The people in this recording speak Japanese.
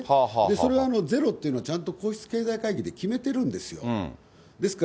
それはゼロっていうのは、ちゃんと皇室経済会議で決めてるんですよ。